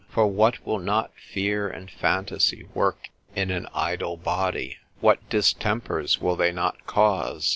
For what will not fear and phantasy work in an idle body? what distempers will they not cause?